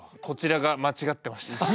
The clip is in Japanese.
こちらが間違ってました。